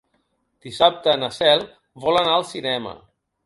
Dissabte na Cel vol anar al cinema.